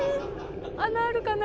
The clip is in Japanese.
「穴あるかな？」